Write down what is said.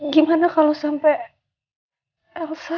gimana kalau sampai elsa